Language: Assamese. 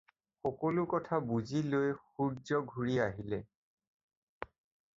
সকলো কথা বুজি লৈ সূৰ্য্য ঘূৰি আহিলে।